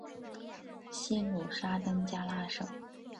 西努沙登加拉省。